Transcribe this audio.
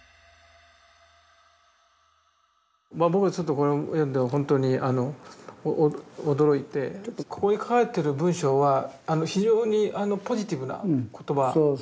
僕はちょっとこれを読んでほんとに驚いてここに書かれてる文章は非常にポジティブな言葉ですよね。